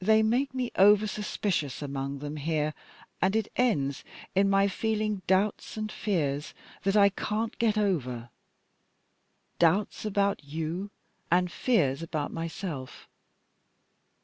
They make me over suspicious among them here, and it ends in my feeling doubts and fears that I can't get over: doubts about you and fears about myself.